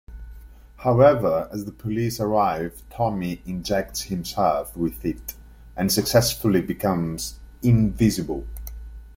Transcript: However, as the police arrive Tommy injects himself with it and successfully becomes invisible.